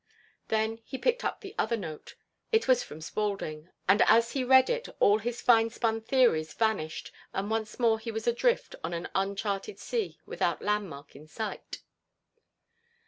Then he picked up the other note. It was from Spaulding, and as he read it all his finespun theories vanished and once more he was adrift on an uncharted sea without a landmark in sight.